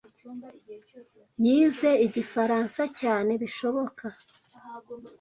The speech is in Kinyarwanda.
Yize igifaransa cyane bishoboka.